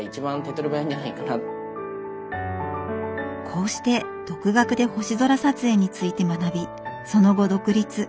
こうして独学で星空撮影について学びその後独立。